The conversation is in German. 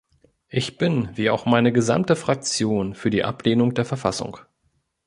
Ich bin, wie auch meine gesamte Fraktion, für die Ablehnung der Verfassung.